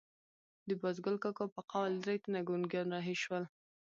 د بازګل کاکا په قول درې تنه ګونګیان رهي شول.